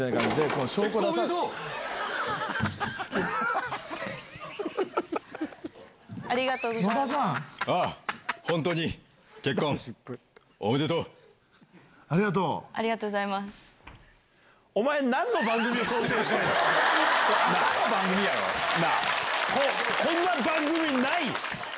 こんな番組ないよ！